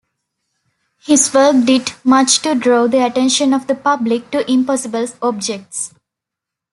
His work did much to draw the attention of the public to impossible objects.